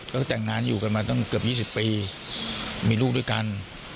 แล้วก็แต่งงานอยู่กันมาตั้งเกือบ๒๐ปีมีลูกด้วยกัน